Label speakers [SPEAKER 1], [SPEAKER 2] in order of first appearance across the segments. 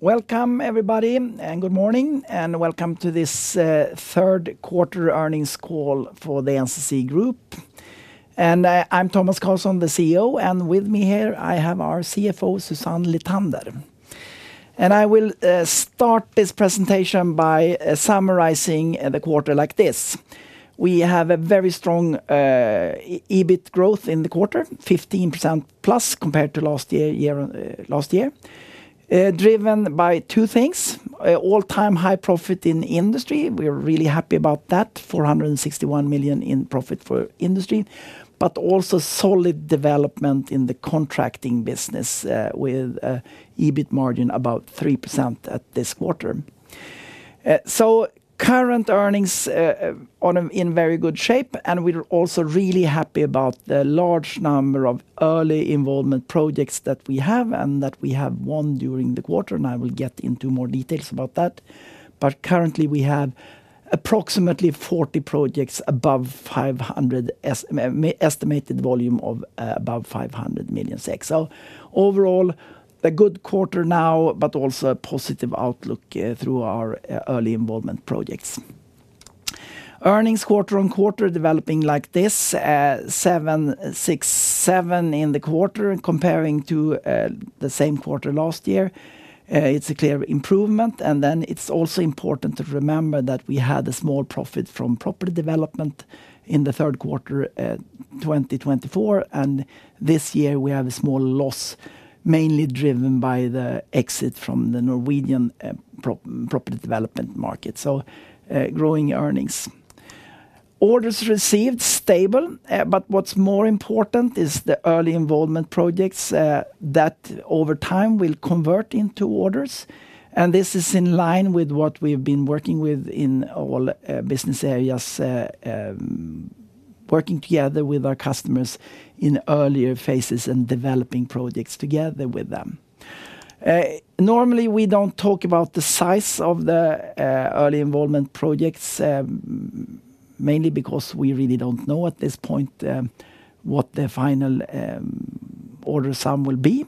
[SPEAKER 1] Welcome, everybody, and good morning, and welcome to this third quarter earnings call for NCC Limited. I'm Tomas Carlsson, the CEO, and with me here, I have our CFO, Susanne Lithander. I will start this presentation by summarizing the quarter like this. We have a very strong EBIT growth in the quarter, 15%+ compared to last year, driven by two things: all-time high profit in industry. We're really happy about that, 461 million in profit for industry, but also solid development in the contracting business with an EBIT margin of about 3% at this quarter. Current earnings are in very good shape, and we're also really happy about the large number of early involvement projects that we have and that we have won during the quarter. I will get into more details about that. Currently, we have approximately 40 projects above 500 million, an estimated volume of above 500 million. Overall, a good quarter now, but also a positive outlook through our early involvement projects. Earnings quarter on quarter developing like this, 7.67 in the quarter comparing to the same quarter last year. It's a clear improvement, and it's also important to remember that we had a small profit from property development in the third quarter of 2023, and this year we have a small loss, mainly driven by the exit from the Norwegian property development market. Growing earnings. Orders received, stable, but what's more important is the early involvement projects that over time will convert into orders. This is in line with what we've been working with in all business areas, working together with our customers in earlier phases and developing projects together with them. Normally, we don't talk about the size of the early involvement projects, mainly because we really don't know at this point what the final order sum will be,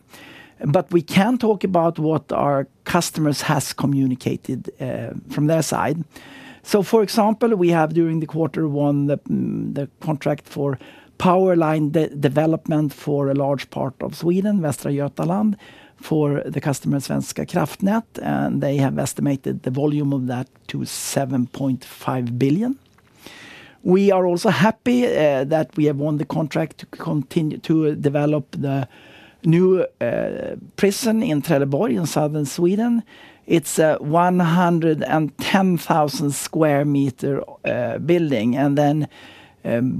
[SPEAKER 1] but we can talk about what our customers have communicated from their side. For example, we have during the quarter won the contract for power line development for a large part of Sweden, Västra Götaland, for the customer Svenska Kraftnät, and they have estimated the volume of that to 7.5 billion. We are also happy that we have won the contract to develop the new prison in Trelleborg in southern Sweden. It's a 110,000 square meter building, and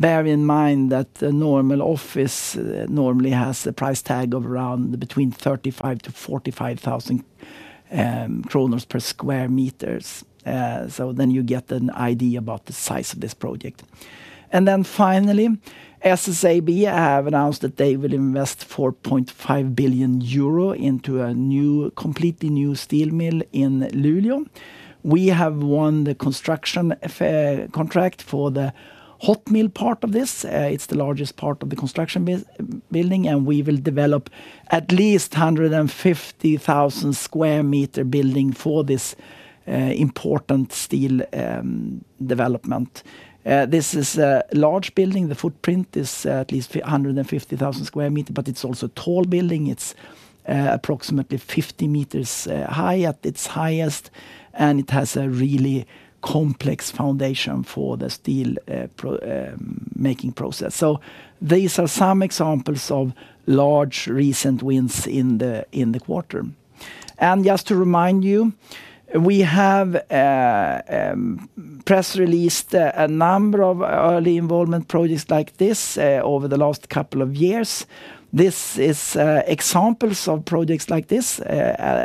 [SPEAKER 1] bear in mind that the normal office normally has a price tag of around between 35,000 to 45,000 kronor per square meter. You get an idea about the size of this project. Finally, SSAB have announced that they will invest 4.5 billion euro into a completely new steel mill in Luleå. We have won the construction contract for the hot mill part of this. It's the largest part of the construction building, and we will develop at least 150,000 square meter building for this important steel development. This is a large building. The footprint is at least 150,000 square meter, but it's also a tall building. It's approximately 50 m high at its highest, and it has a really complex foundation for the steel making process. These are some examples of large recent wins in the quarter. Just to remind you, we have press released a number of early involvement projects like this over the last couple of years. This is examples of projects like this.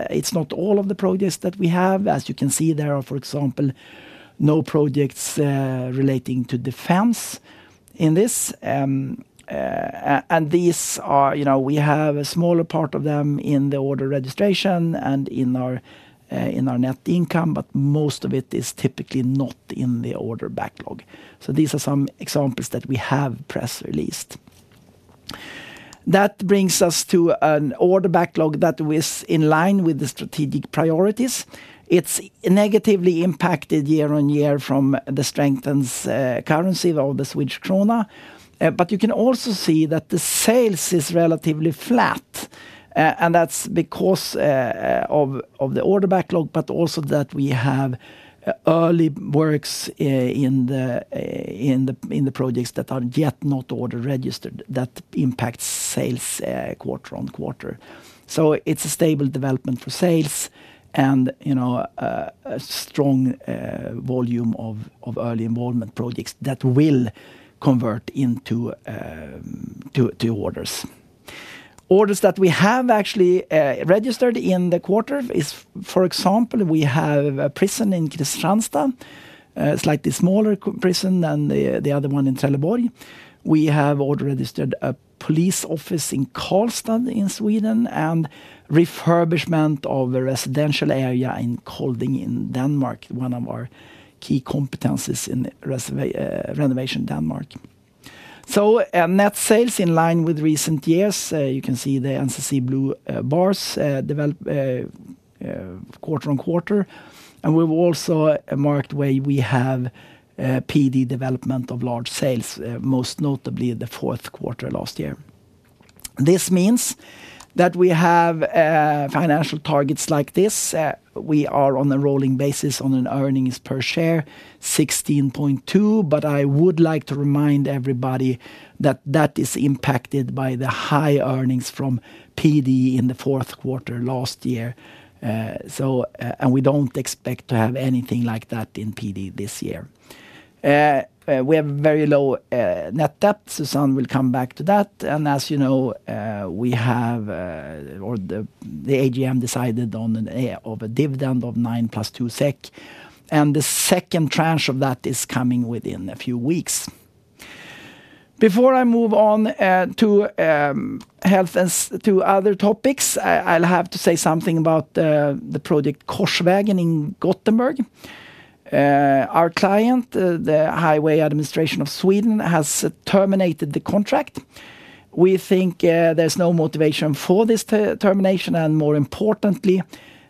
[SPEAKER 1] It's not all of the projects that we have. As you can see, there are, for example, no projects relating to defense in this. We have a smaller part of them in the order registration and in our net income, but most of it is typically not in the order backlog. These are some examples that we have press released. That brings us to an order backlog that is in line with the strategic priorities. It's negatively impacted year on year from the strengthened currency of the Swedish krona, but you can also see that the sales are relatively flat. That's because of the order backlog, but also that we have early works in the projects that are yet not order registered that impact sales quarter on quarter. It's a stable development for sales and a strong volume of early involvement projects that will convert into orders. Orders that we have actually registered in the quarter are, for example, we have a prison in Kristianstad, slightly smaller prison than the other one in Trelleborg. We have ordered a police office in Karlstad in Sweden and refurbishment of a residential area in Kolding in Denmark, one of our key competencies in renovation Denmark. Net sales in line with recent years, you can see the NCC blue bars developed quarter on quarter. We've also marked where we have PD development of large sales, most notably the fourth quarter last year. This means that we have financial targets like this. We are on a rolling basis on an earnings per share 16.2, but I would like to remind everybody that that is impacted by the high earnings from PD in the fourth quarter last year. We don't expect to have anything like that in PD this year. We have very low net debt. Susanne will come back to that. As you know, the AGM decided on a dividend of 9 + 2 SEK, and the second tranche of that is coming within a few weeks. Before I move on to other topics, I'll have to say something about the Korsvägen project in Gothenburg. Our client, the Swedish Highway Administration, has terminated the contract. We think there's no motivation for this termination, and more importantly,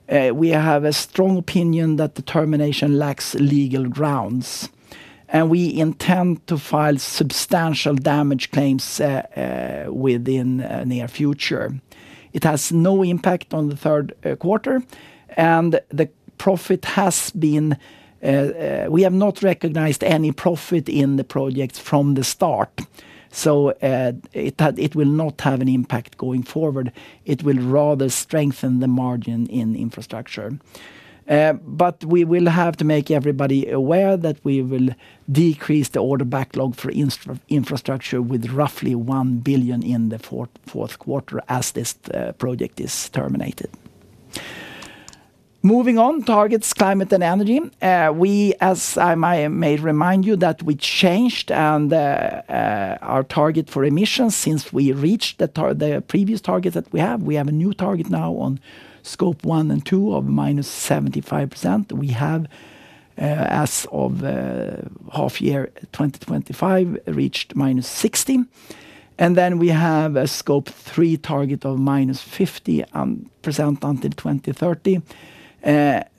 [SPEAKER 1] we have a strong opinion that the termination lacks legal grounds. We intend to file substantial damage claims within the near future. It has no impact on the third quarter, and the profit has been... We have not recognized any profit in the projects from the start. It will not have an impact going forward. It will rather strengthen the margin in infrastructure. We will have to make everybody aware that we will decrease the order backlog for infrastructure with roughly 1 billion in the fourth quarter as this project is terminated. Moving on, targets, climate, and energy. We, as I may remind you, changed our target for emissions since we reached the previous target that we have. We have a new target now on scope one and two of -75%. We have, as of half year 2025, reached -60%. Then we have a scope three target of -50% until 2030.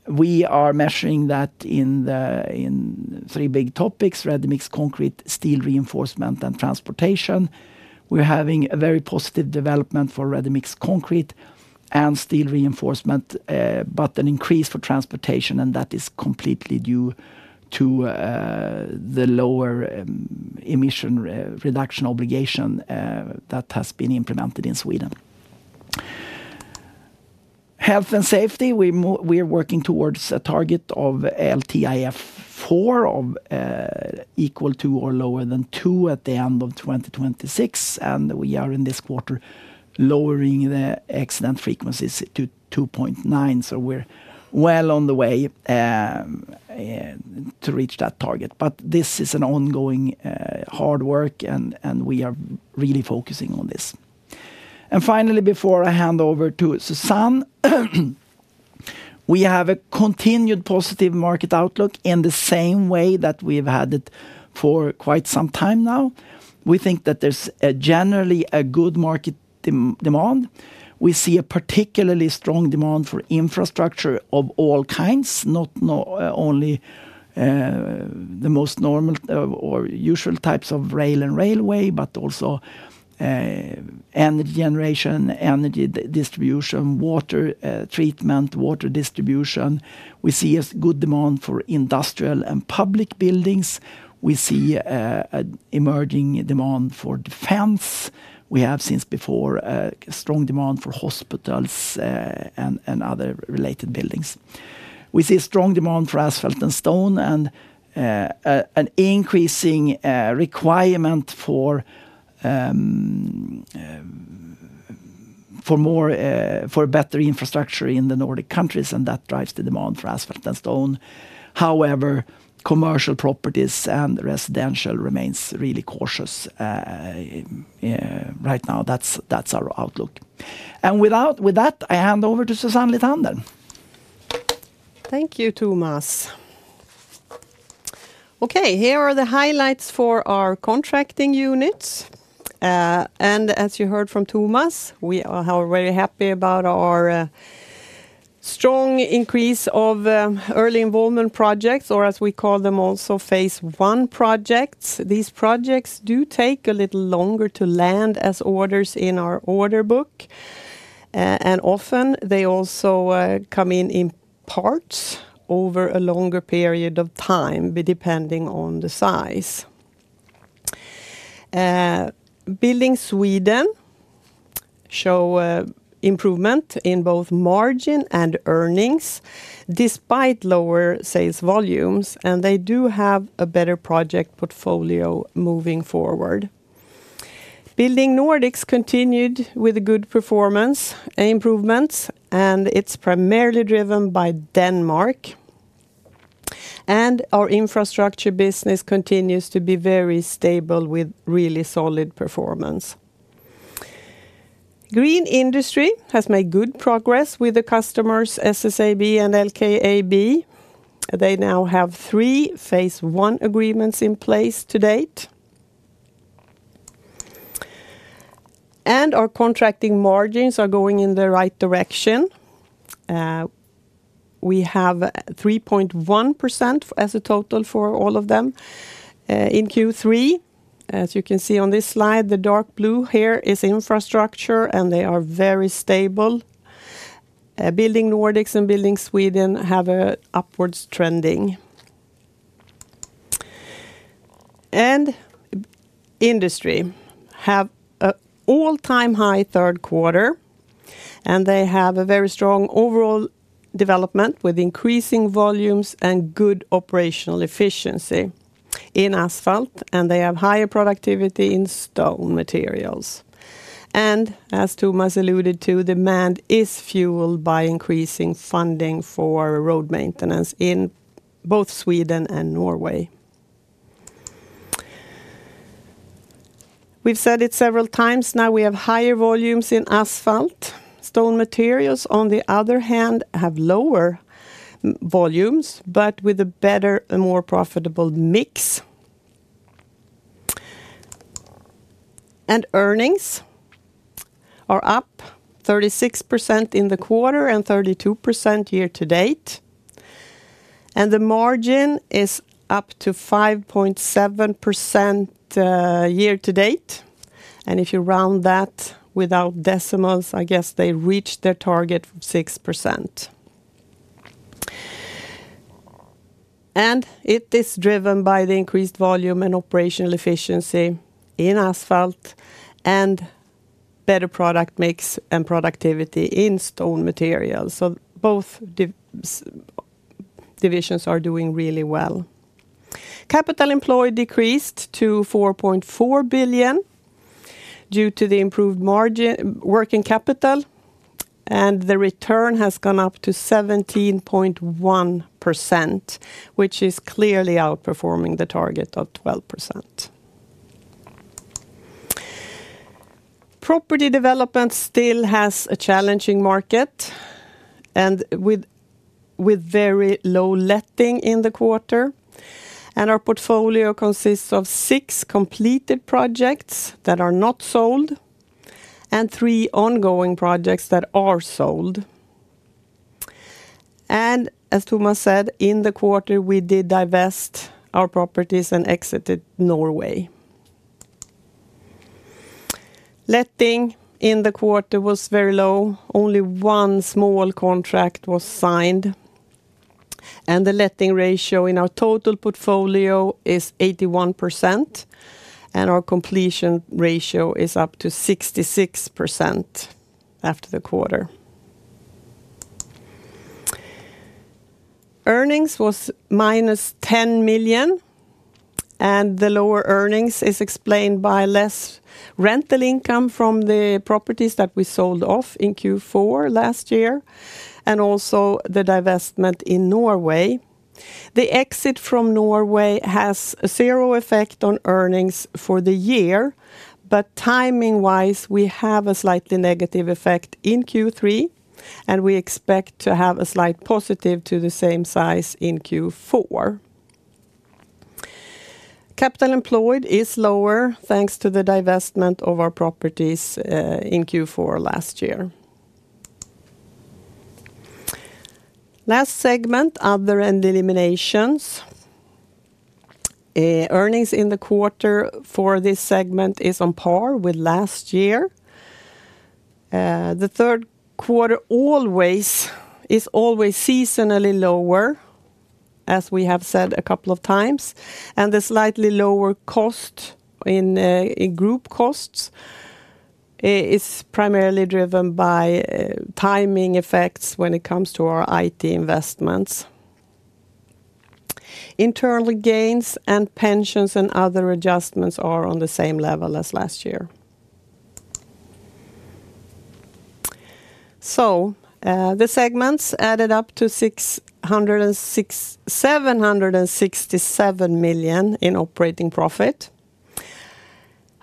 [SPEAKER 1] We are measuring that in three big topics: ready mix concrete, steel reinforcement, and transportation. We're having a very positive development for ready mix concrete and steel reinforcement, but an increase for transportation, and that is completely due to the lower emission reduction obligation that has been implemented in Sweden. Health and safety, we are working towards a target of LTIF4 of equal to or lower than 2 at the end of 2026. We are in this quarter lowering the accident frequencies to 2.9. We're well on the way to reach that target, but this is ongoing hard work, and we are really focusing on this. Finally, before I hand over to Susanne, we have a continued positive market outlook in the same way that we've had it for quite some time now. We think that there's generally a good market demand. We see a particularly strong demand for infrastructure of all kinds, not only the most normal or usual types of rail and railway, but also energy generation, energy distribution, water treatment, water distribution. We see a good demand for industrial and public buildings. We see an emerging demand for defense. We have since before a strong demand for hospitals and other related buildings. We see a strong demand for asphalt and stone and an increasing requirement for better infrastructure in the Nordic countries, and that drives the demand for asphalt and stone. However, commercial properties and residential remain really cautious right now. That's our outlook. With that, I hand over to Susanne Lithander.
[SPEAKER 2] Thank you, Tomas. Here are the highlights for our contracting units. As you heard from Tomas, we are very happy about our strong increase of early involvement projects, or as we call them also, phase one projects. These projects do take a little longer to land as orders in our order book, and often they also come in in parts over a longer period of time, depending on the size. Building Sweden showed improvement in both margin and earnings despite lower sales volumes, and they do have a better project portfolio moving forward. Building Nordics continued with good performance improvements, and it's primarily driven by Denmark. Our infrastructure business continues to be very stable with really solid performance. Green Industry has made good progress with the customers SSAB and LKAB. They now have three phase one agreements in place to date. Our contracting margins are going in the right direction. We have 3.1% as a total for all of them in Q3. As you can see on this slide, the dark blue here is infrastructure, and they are very stable. Building Nordics and Building Sweden have an upwards trending. Industry had an all-time high third quarter, and they have a very strong overall development with increasing volumes and good operational efficiency in asphalt, and they have higher productivity in stone materials. As Tomas alluded to, demand is fueled by increasing funding for road maintenance in both Sweden and Norway. We've said it several times. Now we have higher volumes in asphalt. Stone materials, on the other hand, have lower volumes, but with a better and more profitable mix. Earnings are up 36% in the quarter and 32% year to date. The margin is up to 5.7% year to date. If you round that without decimals, I guess they reached their target of 6%. It is driven by the increased volume and operational efficiency in asphalt and better product mix and productivity in stone materials. Both divisions are doing really well. Capital employed decreased to 4.4 billion due to the improved working capital, and the return has gone up to 17.1%, which is clearly outperforming the target of 12%. Property development still has a challenging market with very low letting in the quarter. Our portfolio consists of six completed projects that are not sold and three ongoing projects that are sold. As Tomas said, in the quarter, we did divest our properties and exited Norway. Letting in the quarter was very low. Only one small contract was signed. The letting ratio in our total portfolio is 81%, and our completion ratio is up to 66% after the quarter. Earnings were minus 10 million, and the lower earnings are explained by less rental income from the properties that we sold off in Q4 last year and also the divestment in Norway. The exit from Norway has a zero effect on earnings for the year, but timing-wise, we have a slightly negative effect in Q3, and we expect to have a slight positive to the same size in Q4. Capital employed is lower thanks to the divestment of our properties in Q4 last year. Last segment, other and eliminations. Earnings in the quarter for this segment are on par with last year. The third quarter is always seasonally lower, as we have said a couple of times, and the slightly lower cost in group costs is primarily driven by timing effects when it comes to our IT investments. Internal gains and pensions and other adjustments are on the same level as last year. The segments added up to 767 million in operating profit.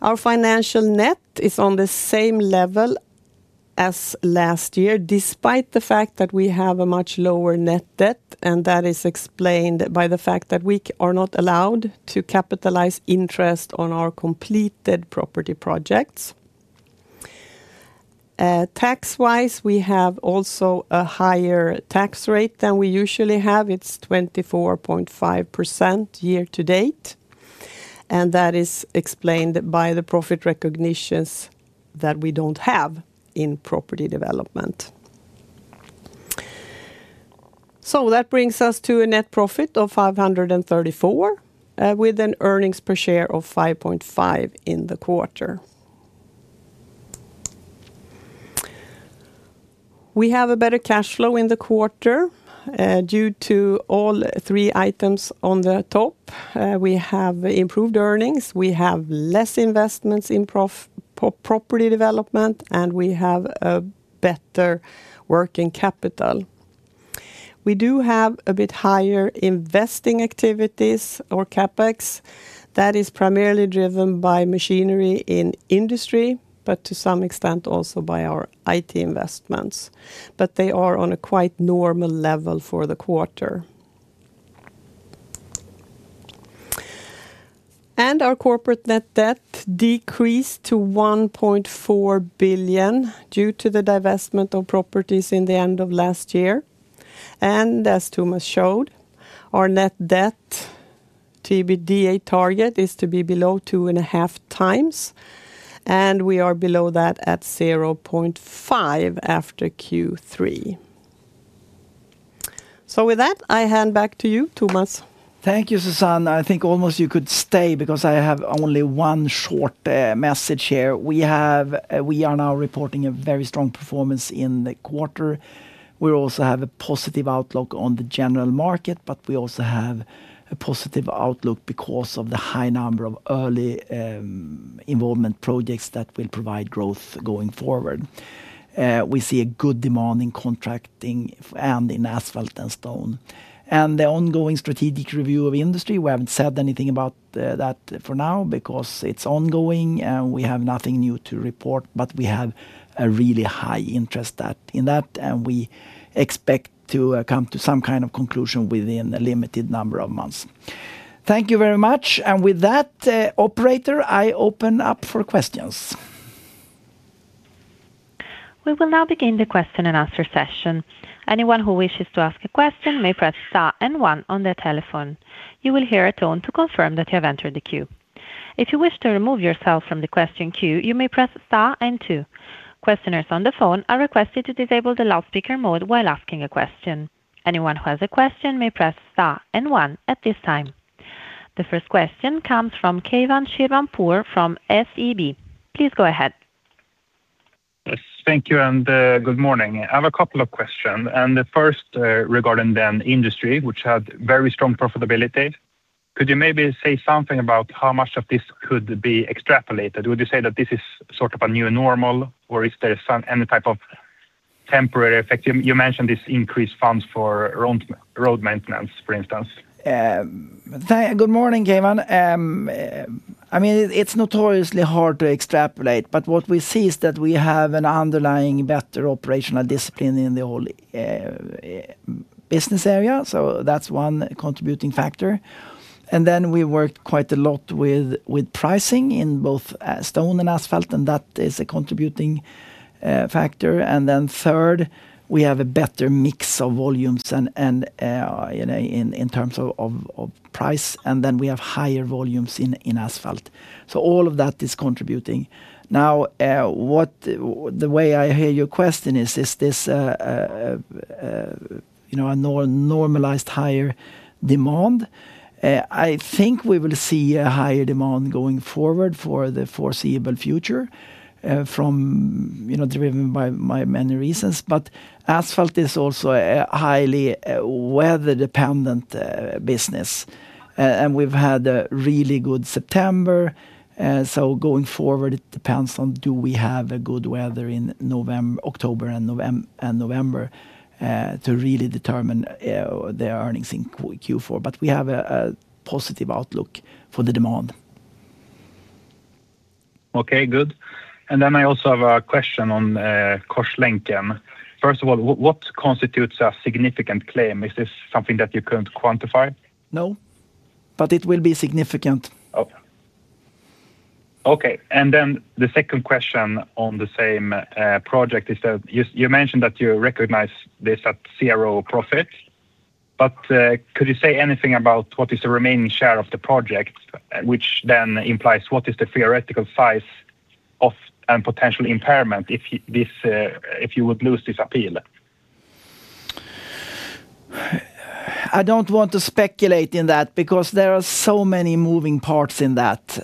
[SPEAKER 2] Our financial net is on the same level as last year, despite the fact that we have a much lower net debt, and that is explained by the fact that we are not allowed to capitalize interest on our completed property projects. Tax-wise, we have also a higher tax rate than we usually have. It's 24.5% year to date, and that is explained by the profit recognitions that we don't have in property development. That brings us to a net profit of 534 million with an earnings per share of 5.5 in the quarter. We have a better cash flow in the quarter due to all three items on the top. We have improved earnings, we have less investments in property development, and we have a better working capital. We do have a bit higher investing activities or CapEx that is primarily driven by machinery in industry, but to some extent also by our IT investments, but they are on a quite normal level for the quarter. Our corporate net debt decreased to 1.4 billion due to the divestment of properties in the end of last year. As Tomas showed, our net debt EBITDA target is to be below 2.5x, and we are below that at 0.5 after Q3. With that, I hand back to you, Tomas.
[SPEAKER 1] Thank you, Susanne. I think almost you could stay because I have only one short message here. We are now reporting a very strong performance in the quarter. We also have a positive outlook on the general market, and we also have a positive outlook because of the high number of early involvement projects that will provide growth going forward. We see a good demand in contracting and in asphalt and stone. The ongoing strategic review of Industry, we haven't said anything about that for now because it's ongoing and we have nothing new to report, but we have a really high interest in that and we expect to come to some kind of conclusion within a limited number of months. Thank you very much. With that, operator, I open up for questions.
[SPEAKER 3] We will now begin the question and answer session. Anyone who wishes to ask a question may press star and one on their telephone. You will hear a tone to confirm that you have entered the queue. If you wish to remove yourself from the question queue, you may press star and two. Questioners on the phone are requested to disable the loudspeaker mode while asking a question. Anyone who has a question may press star and one at this time. The first question comes from Kevan Shirvanpur from SEB. Please go ahead.
[SPEAKER 4] Thank you and good morning. I have a couple of questions. The first regarding the industry, which had very strong profitability, could you maybe say something about how much of this could be extrapolated? Would you say that this is sort of a new normal, or is there any type of temporary effect? You mentioned this increased funds for road maintenance, for instance.
[SPEAKER 1] Good morning, Kevan. It's notoriously hard to extrapolate, but what we see is that we have an underlying better operational discipline in the whole business area. That's one contributing factor. We worked quite a lot with pricing in both stone and asphalt, and that is a contributing factor. Third, we have a better mix of volumes in terms of price, and we have higher volumes in asphalt. All of that is contributing. The way I hear your question is, is this a normalized higher demand? I think we will see a higher demand going forward for the foreseeable future driven by many reasons, but asphalt is also a highly weather-dependent business. We've had a really good September. Going forward, it depends on do we have good weather in October and November to really determine the earnings in Q4. We have a positive outlook for the demand.
[SPEAKER 4] Okay, good. I also have a question on the Korsvägen project. First of all, what constitutes a significant claim? Is this something that you can quantify?
[SPEAKER 1] No, it will be significant.
[SPEAKER 4] Okay. The second question on the same project is that you mentioned that you recognize this at zero profit, but could you say anything about what is the remaining share of the project, which then implies what is the theoretical size of potential impairment if you would lose this appeal?
[SPEAKER 1] I don't want to speculate in that because there are so many moving parts in that.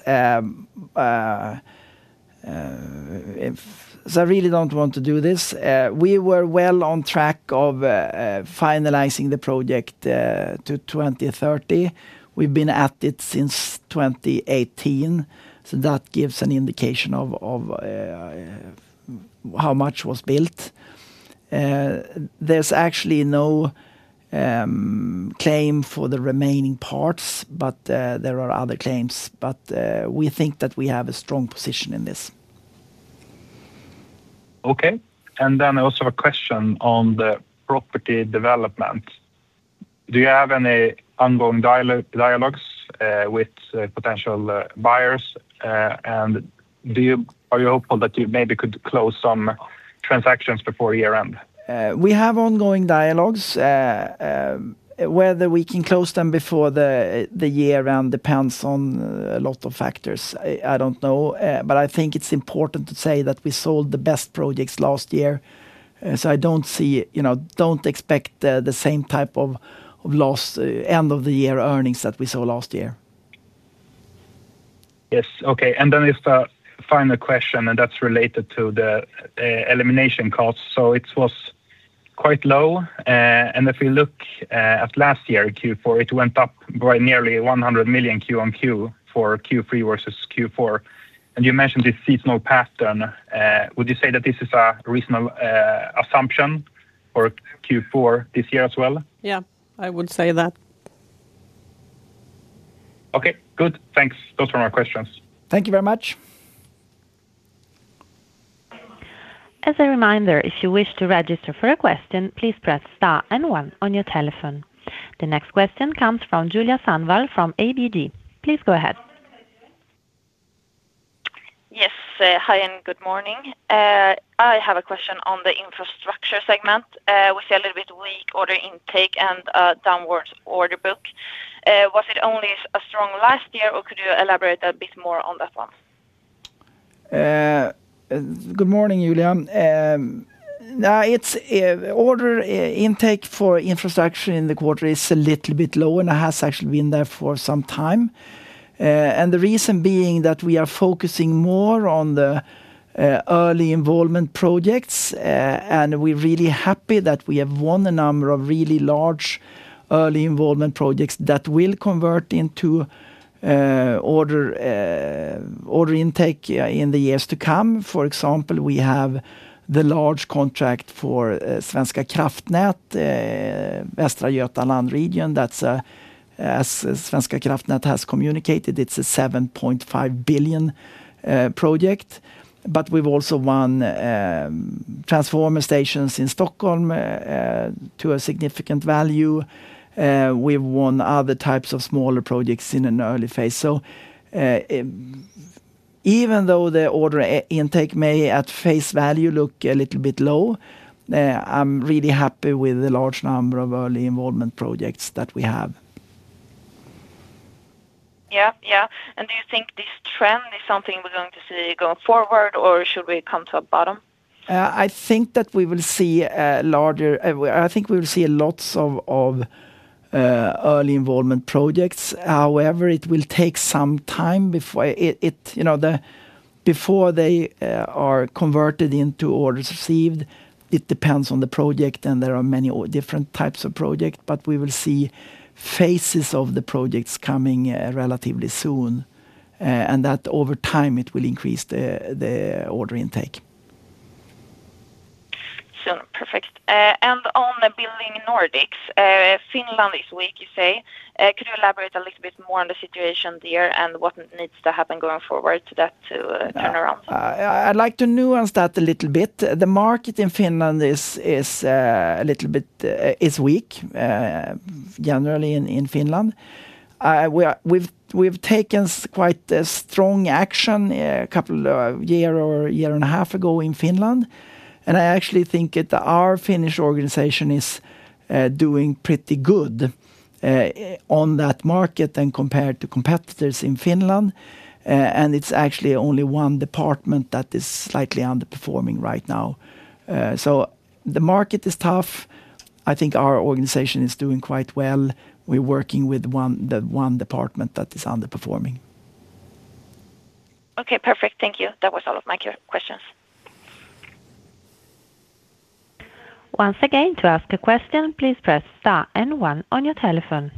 [SPEAKER 1] I really don't want to do this. We were well on track of finalizing the project to 2030. We've been at it since 2018. That gives an indication of how much was built. There's actually no claim for the remaining parts, there are other claims. We think that we have a strong position in this.
[SPEAKER 4] Okay. I also have a question on the property development. Do you have any ongoing dialogues with potential buyers, and are you hopeful that you maybe could close some transactions before year end?
[SPEAKER 1] We have ongoing dialogues. Whether we can close them before the year end depends on a lot of factors. I don't know, but I think it's important to say that we sold the best projects last year. I don't expect the same type of lost end of the year earnings that we saw last year.
[SPEAKER 4] Yes. Okay. It's the final question, and that's related to the elimination costs. It was quite low. If you look at last year Q4, it went up by nearly 100 million Q3 versus Q4. You mentioned this seasonal pattern. Would you say that this is a reasonable assumption for Q4 this year as well?
[SPEAKER 2] Yeah, I would say that.
[SPEAKER 4] Okay, good. Thanks. Those were my questions.
[SPEAKER 1] Thank you very much.
[SPEAKER 3] As a reminder, if you wish to register for a question, please press star and one on your telephone. The next question comes from Julia Sundvall from ABG. Please go ahead.
[SPEAKER 5] Yes, hi and good morning. I have a question on the infrastructure segment. We see a little bit weak order intake and a downwards order book. Was it only a strong last year, or could you elaborate a bit more on that one?
[SPEAKER 1] Good morning, Julia. Order intake for infrastructure in the quarter is a little bit lower, and it has actually been there for some time. The reason being that we are focusing more on the early involvement projects, and we're really happy that we have won a number of really large early involvement projects that will convert into order intake in the years to come. For example, we have the large contract for Svenska Kraftnät, Västra Götaland region. As Svenska Kraftnät has communicated, it's a 7.5 billion project. We've also won transformer stations in Stockholm to a significant value. We've won other types of smaller projects in an early phase. Even though the order intake may at face value look a little bit low, I'm really happy with the large number of early involvement projects that we have.
[SPEAKER 5] Yeah. Do you think this trend is something we're going to see going forward, or should we come to a bottom?
[SPEAKER 1] I think we will see lots of early involvement projects. However, it will take some time before they are converted into orders received. It depends on the project, and there are many different types of projects, but we will see phases of the projects coming relatively soon, and that over time it will increase the order intake.
[SPEAKER 5] Perfect. On the Building Nordics, Finland is weak, you say. Could you elaborate a little bit more on the situation there and what needs to happen going forward to that turnaround?
[SPEAKER 1] I'd like to nuance that a little bit. The market in Finland is a little bit weak, generally in Finland. We've taken quite strong action a couple of years or a year and a half ago in Finland. I actually think that our Finnish organization is doing pretty good on that market and compared to competitors in Finland. It's actually only one department that is slightly underperforming right now. The market is tough. I think our organization is doing quite well. We're working with one department that is underperforming.
[SPEAKER 5] Okay, perfect. Thank you. That was all of my questions.
[SPEAKER 3] Once again, to ask a question, please press star and one on your telephone.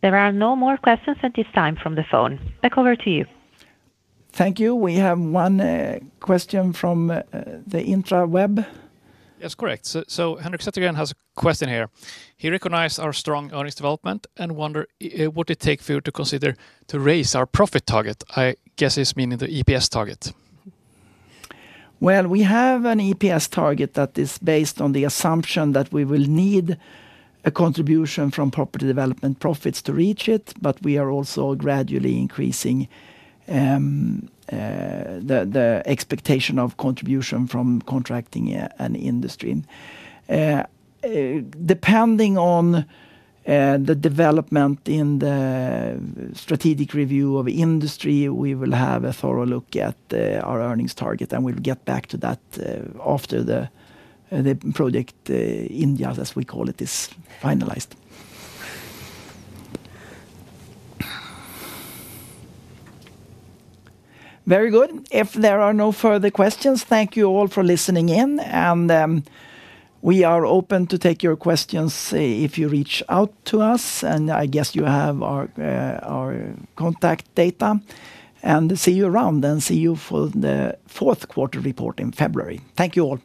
[SPEAKER 3] There are no more questions at this time from the phone. Back over to you.
[SPEAKER 1] Thank you. We have one question from the intraweb.
[SPEAKER 6] Yes, correct. Henrik Sätherén has a question here. He recognized our strong earnings development and wondered what it takes for you to consider to raise our profit target. I guess it's meaning the EPS target.
[SPEAKER 1] We have an EPS target that is based on the assumption that we will need a contribution from property development profits to reach it, but we are also gradually increasing the expectation of contribution from contracting and industry. Depending on the development in the strategic review of industry, we will have a thorough look at our earnings target, and we'll get back to that after the project India, as we call it, is finalized. Very good. If there are no further questions, thank you all for listening in. We are open to take your questions if you reach out to us, and I guess you have our contact data. See you around and see you for the fourth quarter report in February. Thank you all.